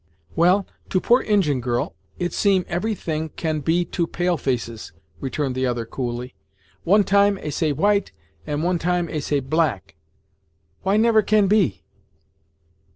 "Well, to poor Injin girl, it seem every thing can be to pale faces," returned the other, coolly. "One time 'ey say white, and one time 'ey say black. Why never can be?"